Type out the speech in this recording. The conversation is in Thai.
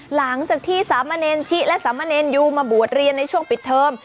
หลังจากที่สามเณรชิและสามเณรยูมาบวชเรียนในช่วงปิดเทอม